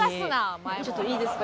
ちょっといいですか？